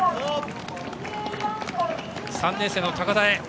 ３年生の高田へ。